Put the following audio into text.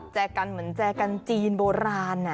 แจกันเหมือนแจกันจีนโบราณ